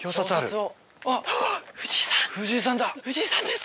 藤井さんです！